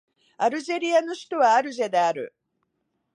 アルジェリアの首都はアルジェである